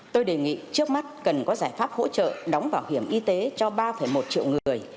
tôi đề nghị trước mắt cần có giải pháp hỗ trợ đóng bảo hiểm y tế cho ba một triệu người